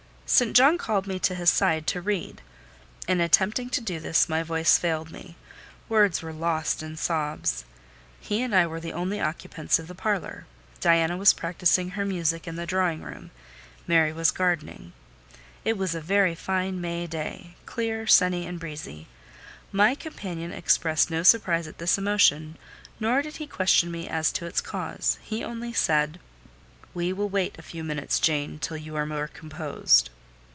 St. John called me to his side to read; in attempting to do this my voice failed me: words were lost in sobs. He and I were the only occupants of the parlour: Diana was practising her music in the drawing room, Mary was gardening—it was a very fine May day, clear, sunny, and breezy. My companion expressed no surprise at this emotion, nor did he question me as to its cause; he only said— "We will wait a few minutes, Jane, till you are more composed."